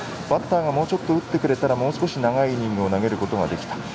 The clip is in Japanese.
バッターが、もう少し打ってくれたらもう少し長いイニングを投げることができた。